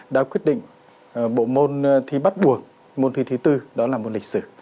đã quyết định bộ môn thi bắt buộc môn thi thứ tư đó là môn lịch sử